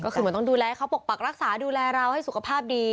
ก็คือเหมือนต้องดูแลเขาปกปักรักษาดูแลเราให้สุขภาพดี